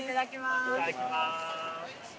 いただきます。